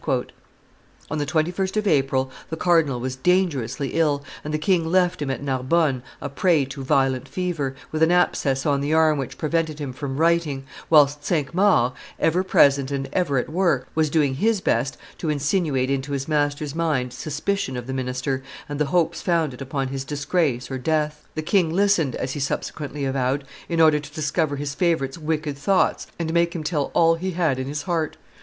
On the 21st of April, the cardinal was dangerously ill, and the king left him at Narbonne a prey to violent fever, with an abscess on the arm which prevented him from writing, whilst Cinq Mars, ever present and ever at work, was doing his best to insinuate into his master's mind suspicion of the minister, and the hopes founded upon his disgrace or death. The king listened, as he subsequently avowed, in order to discover his favorite's wicked thoughts and make him tell all he had in his heart.